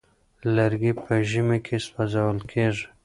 لرګي په ژمي کې سوزول کيږي.